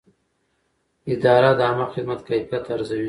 اداره د عامه خدمت کیفیت ارزوي.